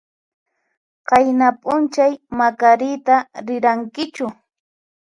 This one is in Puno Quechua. Qayna p'unchay Macarita rirankichu?